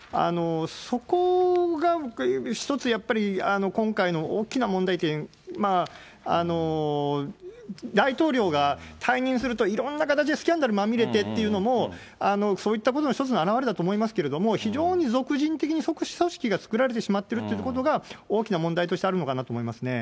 そこが一つやっぱり、今回の大きな問題点、大統領が退任するといろんな形でスキャンダルにまみれてっていうのも、そういったことの一つの表れだと思いますけれども、非常に俗人的に組織が作られてしまっているということが、大きな問題としてあるのかなと思いますね。